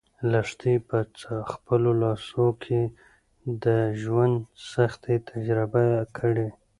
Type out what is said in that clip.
لښتې په خپلو لاسو کې د ژوند سختۍ تجربه کړې.